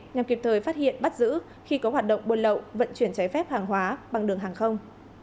nhằm kịp thời phát hiện bắt giữ khi có hoạt động buôn lậu vận chuyển trái phép hàng hóa bằng đường hàng không